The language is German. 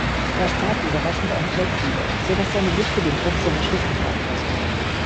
Er starb überraschend an Fleckfieber, so dass seine Witwe den Druck seiner Schriften veranlasste.